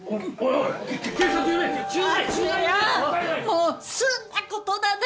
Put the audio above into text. もう済んだことだで。